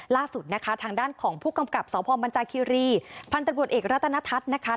ล่าสุดนะค่ะทางด้านของผู้กำกับสาวภอมบรรจาคียีภัทรบรวจเอกรตนทัศน์นะคะ